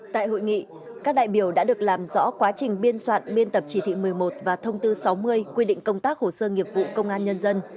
tại hội nghị các đại biểu đã được làm rõ quá trình biên soạn biên tập chỉ thị một mươi một và thông tư sáu mươi quy định công tác hồ sơ nghiệp vụ công an nhân dân